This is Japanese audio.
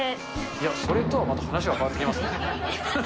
それとはまた話は変わってきますね。